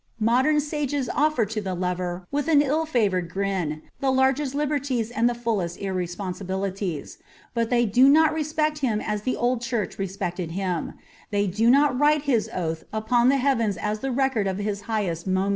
Modem sages ofier to the lorer with an ill ^Toared grin the largest liberties and the fnlkst trresponsibtUly ; but ihey do not req>ect Httw as the old Qmrcfa respected him ; they do not write his oath upon the heaTois as the record of his hi^iest mon